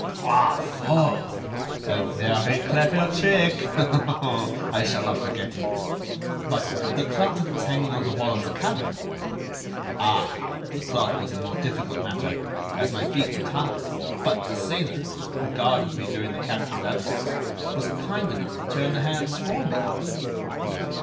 "Bravo! a very clever trick. I shall not forget it. But the clock that was hanging on the wall of the cabin?" "Ah! the clock was a more difficult matter, as my feet were tied, but the sailor, who guarded me during the captain's absence, was kind enough to turn the hands for me."